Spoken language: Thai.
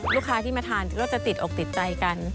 ลูกค้าที่มาทานก็จะติดอกติดใจกัน